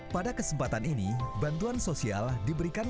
pada kesempatan ini bantuan sosial diberikan